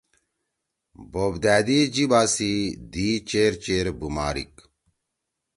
بوپ دٲدی جیِبا سی دی چیر چیر بُمارِک۔